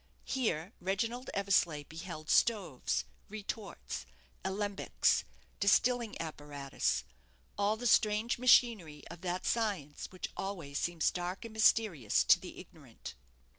Here Reginald Eversleigh beheld stoves, retorts, alembics, distilling apparatus; all the strange machinery of that science which always seems dark and mysterious to the ignorant.